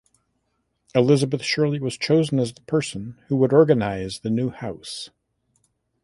Elizabeth Shirley was chosen as the person who would organise the new house.